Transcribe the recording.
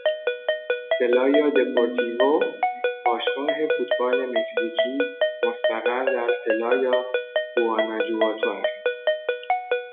«سلایا دپورتیوو» باشگاه فوتبال مکزیکی مستقر در «سلایا گواناجواتو» است.